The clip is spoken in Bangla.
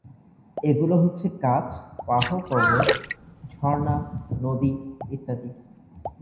এগুলো হচ্ছেঃগাছ, পাহড়-পর্বত, ঝর্ণা, নদী ইত্যাদি।